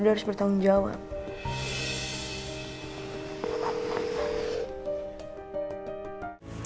dia harus bertanggung jawab